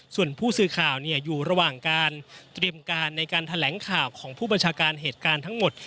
ส่วนผู้สื่อข่าวอยู่ระหว่างการเตรียมการในการแถลงข่าวของผู้บัญชาการเหตุการณ์ทั้งหมด